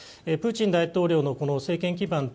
プーチン大統領の政権基盤